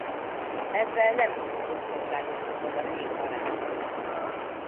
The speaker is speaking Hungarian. Ezzel nem kis bosszúságot okoz a két barátnőnek.